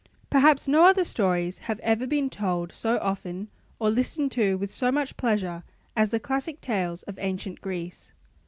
Perhaps no other stories have ever been told so often or listened to with so much pleasure as the classic tales of ancient Greece.